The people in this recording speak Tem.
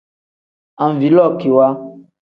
Anvilookiwa.